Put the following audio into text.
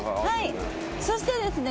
そしてですね